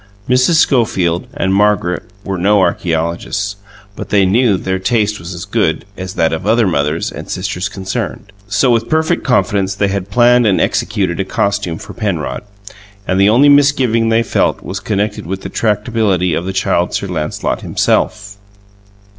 Mrs. Schofield and Margaret were no archeologists, but they knew that their taste was as good as that of other mothers and sisters concerned; so with perfect confidence they had planned and executed a costume for Penrod; and the only misgiving they felt was connected with the tractability of the Child Sir Lancelot himself.